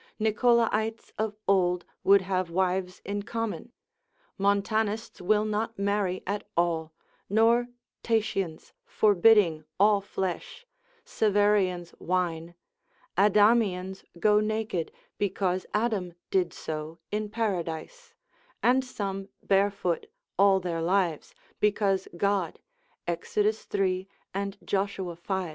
Nicholaites of old, would have wives in common: Montanists will not marry at all, nor Tatians, forbidding all flesh, Severians wine; Adamians go naked, because Adam did so in Paradise; and some barefoot all their lives, because God, Exod. iii. and Joshua v.